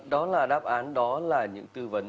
đó là đáp án đó là những tư vấn